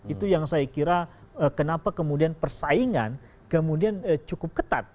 itu yang saya kira kenapa kemudian persaingan kemudian cukup ketat